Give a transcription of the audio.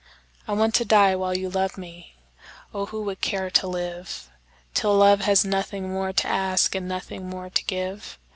I want to die while you love meOh, who would care to liveTill love has nothing more to askAnd nothing more to give!